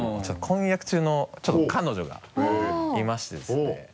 婚約中のちょっと彼女がいましてですね。